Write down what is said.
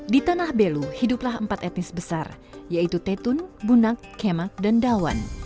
di tanah belu hiduplah empat etnis besar yaitu tetun bunak kemak dan dawan